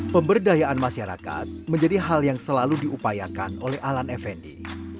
pemberdayaan masyarakat menjadi hal yang selalu diupayakan oleh alan effendi